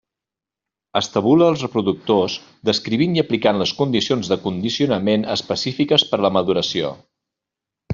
Estabula els reproductors, descrivint i aplicant les condicions de condicionament específiques per a la maduració.